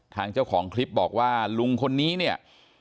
เจ้าของคลิปบอกว่าลุงคนนี้เนี่ย